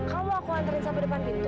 kamu mau aku hantarin sampai depan pintu